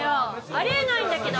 ありえないんだけど！